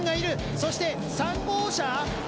そして３号車。